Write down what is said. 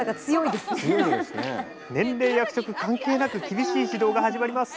年齢役職関係なく厳しい指導が始まります。